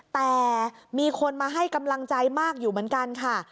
แต่มีคนมาให้กำลังใจมากอยู่เหมือนกันค่ะ